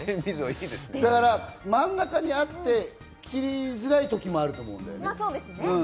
真ん中にあって切りづらいときもあると思うんだよね。